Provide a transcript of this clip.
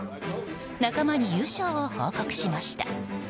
仲間に優勝を報告しました。